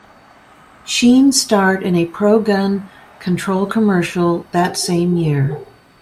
Sheen starred in a pro-gun control commercial that same year.